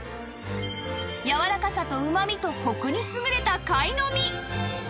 やわらかさとうまみとコクに優れたカイノミ